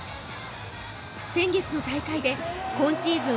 先月の大会で今シーズン